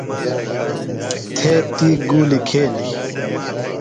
تھے تی گولی کھیلی۔